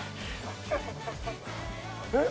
えっ？